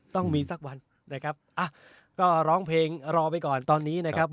ต้องมีสักวันนะครับอ่ะก็ร้องเพลงรอไปก่อนตอนนี้นะครับ